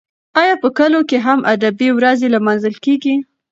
ایا په کلو کې هم ادبي ورځې لمانځل کیږي؟